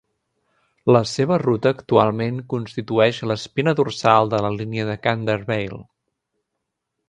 La seva ruta actualment constitueix l'espina dorsal de la línia de Caldervale.